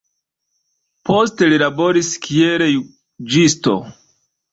Poste li laboris kiel juĝisto.